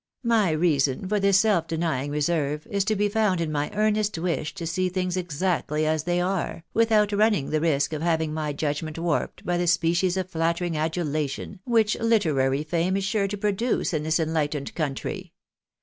My reason for this self denying reserve is to be found in my earnest wish to see things exactly as they are, without run ning the risk of having my judgment warped by the species of flattering adulation which literary fame is sure to produce in this enlightened country.